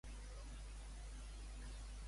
Era d'hora en el dia?